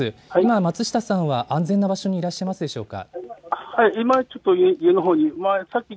松下さんは安全な場所にいらっしゃいますか。